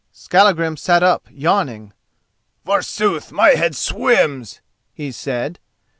Skallagrim sat up, yawning. "Forsooth, my head swims," he said.